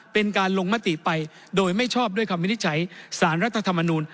เป็นการลงมติไปโดยไม่ชอบด้วยคำวินิจฉัยสารรัฐธรรมนูล